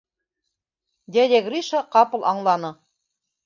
Дядя Гриша ҡапыл аңланы: